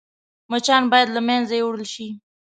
مچان باید له منځه يوړل شي